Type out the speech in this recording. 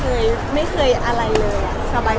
โอ้ยไม่เคยเลยค่ะพี่โชว์ไม่เคยไม่เคยอะไรเลยอะ